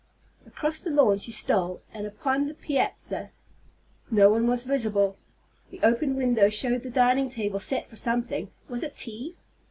Across the lawn she stole, and upon the piazza. No one was visible. The open window showed the dining table set for something, was it tea?